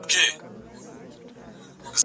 د معانيو علماء وايي، چي دا ترټولو غوره قصه ده.